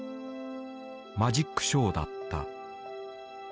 マジックショーだった。